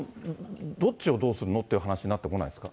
どっちをどうするの？っていう話になってこないですか。